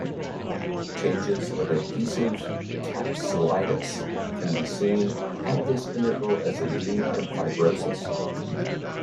Changes of adhesive capsulitis can be seen at this interval as edema and fibrosis.